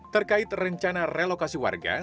terkait rencana relokasi warga